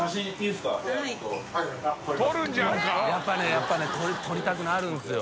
やっぱねこれ撮りたくなるんですよ。